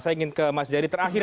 saya ingin ke mas jadi terakhir